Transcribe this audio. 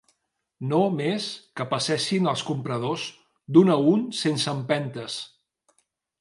No més que passessin els compradors, d'un a un sense empentes